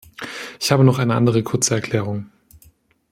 Ich habe noch eine andere kurze Erklärung.